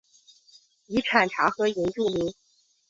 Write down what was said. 以产茶和银著名。